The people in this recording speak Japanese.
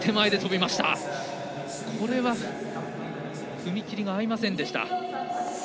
踏み切りが合いませんでした。